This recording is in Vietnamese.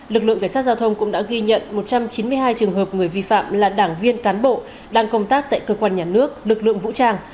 lực lượng cảnh sát giao thông cũng đã ghi nhận một trăm chín mươi hai trường hợp người vi phạm là đảng viên cán bộ đang công tác tại cơ quan nhà nước lực lượng vũ trang